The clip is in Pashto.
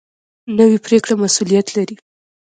نوې پرېکړه مسؤلیت لري